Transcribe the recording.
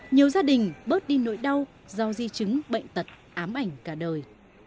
nhiều gia đình bớt đi nỗi đau do di chứng bệnh tật ám ảnh cả đời